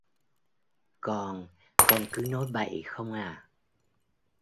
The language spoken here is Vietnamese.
con con cứ nói bậy không à